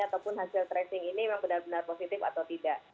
ataupun hasil tracing ini memang benar benar positif atau tidak